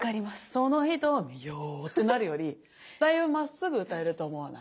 「その瞳を」ってなるよりだいぶまっすぐ歌えると思わない？